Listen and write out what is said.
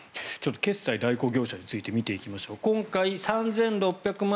決済代行業者について見ていきましょう。